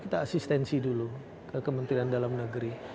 kita asistensi dulu ke kementerian dalam negeri